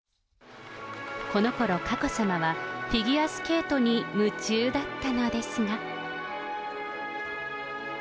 このころ、佳子さまはフィギュアスケートに夢中だったのですが。